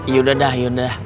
yaudah dah yaudah